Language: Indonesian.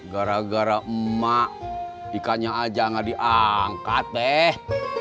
gara gara emak ikannya aja gak diangkat deh